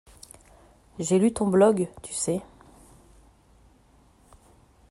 J’ai lu ton blog, tu sais.